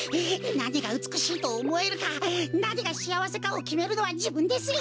なにがうつくしいとおもえるかなにがしあわせかをきめるのはじぶんですよ。